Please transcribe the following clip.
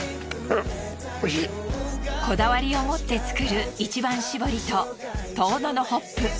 こだわりを持って作る一番搾りと遠野のホップ。